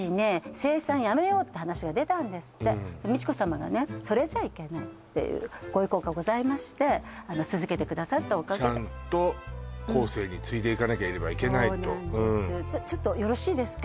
生産やめようって話が出たんですって美智子さまが「それじゃいけない」っていうご意向がございまして続けてくださったおかげでちゃんと後世に継いでいかなければいけないとちょっとよろしいですか？